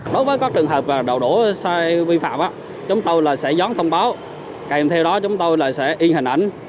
đối với các trường hợp đậu đỗ sai vi phạm chúng tôi sẽ dón thông báo kèm theo đó chúng tôi sẽ yên hình ảnh